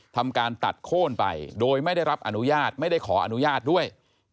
ทำการตัดโค้นไปโดยไม่ได้รับอนุญาตไม่ได้ขออนุญาตด้วย